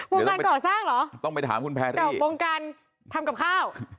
วงการก่อสร้างเหรอต้องไปถามคุณแพนด้วยกับวงการทำกับข้าว